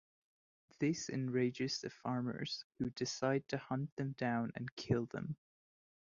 This enrages the farmers, who decide to hunt them down and kill them.